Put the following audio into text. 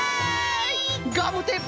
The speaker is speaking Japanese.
ガムテープ